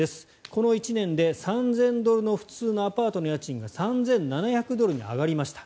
この１年で３０００ドルの普通のアパートの家賃が３７００ドルに上がりました。